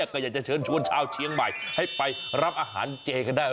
ก็อยากจะเชิญชวนชาวเชียงใหม่ให้ไปรับอาหารเจกันได้